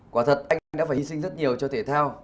quả thật anh đã phải hy sinh rất nhiều cho thể thao